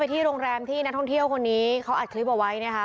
ที่โรงแรมที่นักท่องเที่ยวคนนี้เขาอัดคลิปเอาไว้นะคะ